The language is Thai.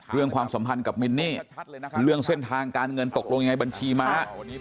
ความสัมพันธ์กับมินนี่เรื่องเส้นทางการเงินตกลงยังไงบัญชีม้า